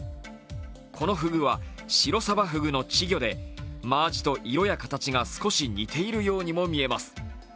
このふぐはシロサバフグの稚魚で真アジと色や形が少し似ているようにも見えます。